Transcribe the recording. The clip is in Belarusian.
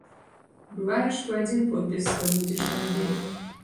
Бывае, што адзін подпіс здабудзеш да абеду.